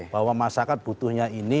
bahwa masyarakat butuhnya ini